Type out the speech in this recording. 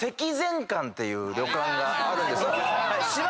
ていう旅館があるんですけども。